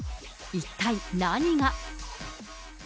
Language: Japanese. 一体何が。